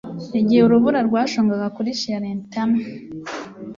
igihe urubura rwashonga kuri Chiarentana